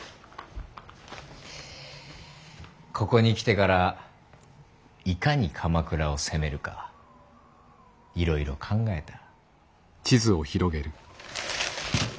ここに来てからいかに鎌倉を攻めるかいろいろ考えた。